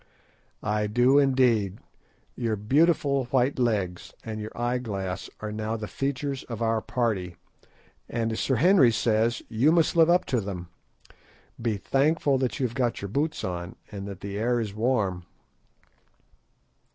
"I do, indeed. Your 'beautiful white legs' and your eye glass are now the features of our party, and as Sir Henry says, you must live up to them. Be thankful that you have got your boots on, and that the air is warm."